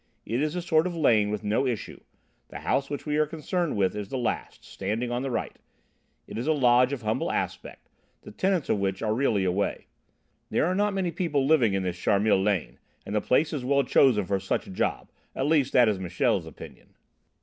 It is a sort of lane with no issue; the house which we are concerned with is the last, standing on the right. It is a lodge of humble aspect, the tenants of which are really away. There are not many people living in this Charmilles Lane, and the place is well chosen for such a job, at least that is Michel's opinion.